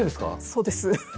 そうです。